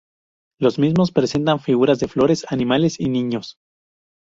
Los mismos presentan figuras de flores, animales y niños.